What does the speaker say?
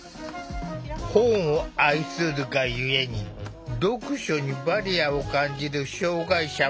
本を愛するがゆえに読書にバリアを感じる障害者は多い。